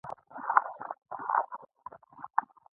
هر څوک د غم په دریا کې ډوب وو.